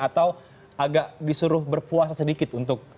atau agak disuruh berpuasa sedikit untuk